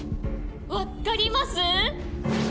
分っかります？